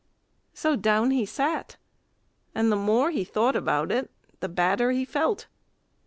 So down he sat and the more he thought about it the badder he felt.